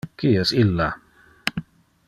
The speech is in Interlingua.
Qui es illa?